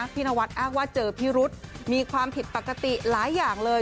พี่นวัดอ้างว่าเจอพิรุษมีความผิดปกติหลายอย่างเลย